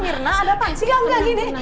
mirna ada tansi gak gak gini